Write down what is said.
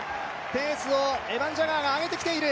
ペースをエバン・ジャガーが上げてきている。